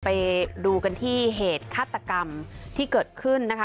ไปดูกันที่เหตุฆาตกรรมที่เกิดขึ้นนะคะ